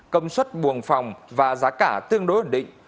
công suất buồng phòng và giá cả tương đối ổn định